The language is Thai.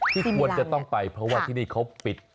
ที่ควรจะต้องไปเพราะว่าที่นี่เขาปิด